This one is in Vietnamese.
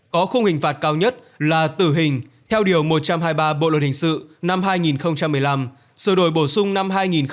có khung hình phạt cao nhất là tử hình theo điều một trăm hai mươi ba bộ luật hình sự năm hai nghìn một mươi năm sửa đổi bổ sung năm hai nghìn một mươi bảy